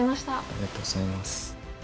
ありがとうございます。